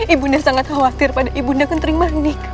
ibu undang sangat khawatir pada ibu undang kentering manik